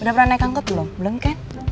udah pernah naik angkot belum belum kan